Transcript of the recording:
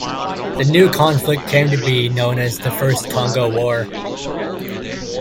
This new conflict came to be known as the First Congo War.